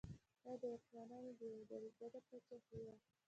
دا د واکمنانو د یوې ډلې ګډه پاچاهي وه.